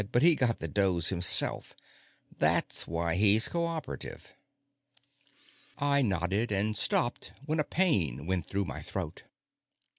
"But he got the dose himself. That's why he's co operative." I nodded and stopped when a pain went through my throat.